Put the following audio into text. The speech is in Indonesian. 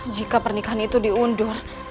jika pernikahan itu diundur